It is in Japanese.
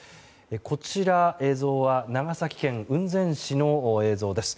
こちらは長崎県雲仙市の映像です。